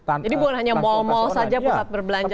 jadi bukan hanya mal mal saja buat berbelanja